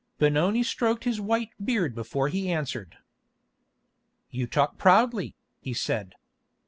Benoni stroked his white beard before he answered. "You talk proudly," he said.